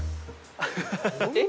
えっ？